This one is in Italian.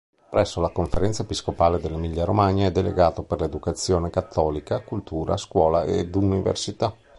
Presso la conferenza episcopale dell'Emilia-Romagna è delegato per l'educazione cattolica, cultura, scuola ed università.